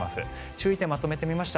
注意点をまとめました。